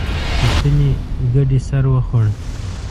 پوښتنې ګډې سر وخوړ.